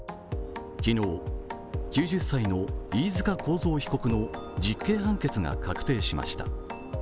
昨日、９０歳の飯塚幸三被告の実刑判決が確定しました。